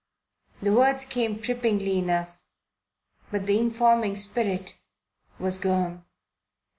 The words came trippingly enough, but the informing Spirit was gone.